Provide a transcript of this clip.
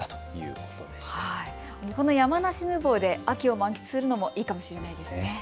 この山梨ヌーボーで秋を満喫するのもいいかもしれませんね。